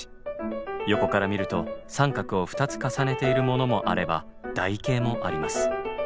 横から見ると三角を２つ重ねているものもあれば台形もあります。